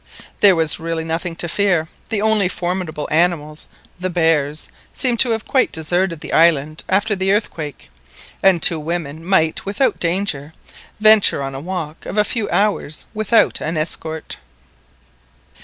There was really nothing to fear, the only formidable animals, the bears, seemed to have quite deserted the island after the earthquake; and two women might, without danger, venture on a walk of a few hours without an escort.